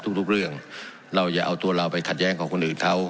ทุกเรื่องเราอย่าเอาตัวเราไปขัดแย้งกับคนอื่นเขา